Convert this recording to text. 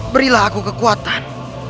berilah aku kekuatan